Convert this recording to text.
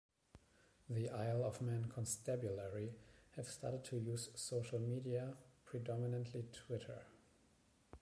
The Isle of Man Constabulary have started to use social media, predominantly Twitter.